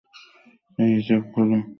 এই হিজাব খোল।